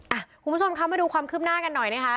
อ่ะคุณผู้ชมคะมาดูความคืบหน้ากันหน่อยนะคะ